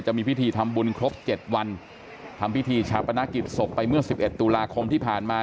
จะมีพิธีทำบุญครบ๗วันทำพิธีชาปนกิจศพไปเมื่อ๑๑ตุลาคมที่ผ่านมา